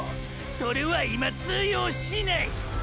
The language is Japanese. それは今通用しない！！